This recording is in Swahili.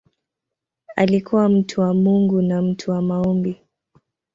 Alikuwa mtu wa Mungu na mtu wa maombi.